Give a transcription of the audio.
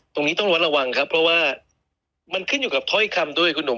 ตรงนี้ต้องวัดระวังครับเพราะว่ามันขึ้นอยู่กับถ้อยคำด้วยคุณหนุ่ม